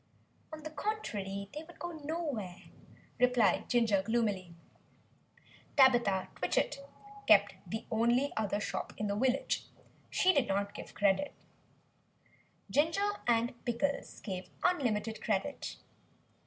"On the contrary, they would go nowhere," replied Ginger gloomily. (Tabitha Twitchit kept the only other shop in the village. She did not give credit.) Ginger and Pickles gave unlimited credit.